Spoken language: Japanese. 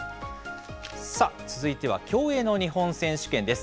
続いては競泳の日本選手権です。